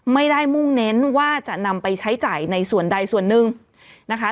ไม่ได้มุ่งเน้นว่าจะนำไปใช้จ่ายในส่วนใดส่วนหนึ่งนะคะ